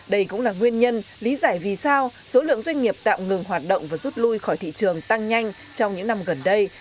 đây cũng là nguyên nhân lý giải vì sao số lượng doanh nghiệp tạm ngừng hoạt động và rút lui khỏi thị trường tăng nhanh trong những năm gần đây